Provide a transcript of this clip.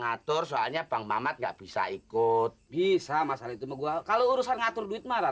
ngatur soalnya bang mamat nggak bisa ikut bisa masalah itu kalau urusan ngatur duit marah